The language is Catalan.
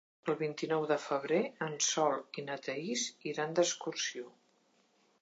El vint-i-nou de febrer en Sol i na Thaís iran d'excursió.